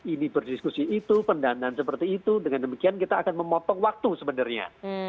ini berdiskusi itu pendanaan seperti itu dengan demikian kita akan memotong waktu sebenarnya